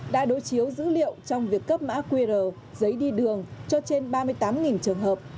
đã đối chiếu dữ liệu trong việc cấp mã qr giấy đi đường cho trên ba mươi tám trường hợp